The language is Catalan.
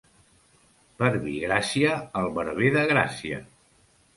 Verbigràcia, el barber de Gràcia.